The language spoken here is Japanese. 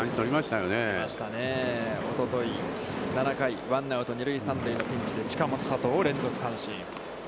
おととい、７回ワンアウト、二塁三塁のピンチで、近本、佐藤を連続三振。